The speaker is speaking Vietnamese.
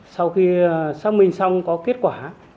sau khi xác minh xong có kết quả